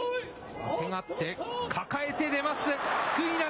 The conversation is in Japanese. あてがって抱えて出ます、すくい投げ。